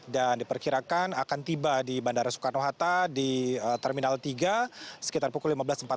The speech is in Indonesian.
dan diperkirakan akan tiba di bandara soekarno hatta di terminal tiga sekitar pukul lima belas empat puluh lima